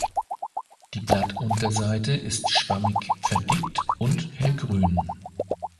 Die Blattunterseite ist schwammig verdickt und hellgrün.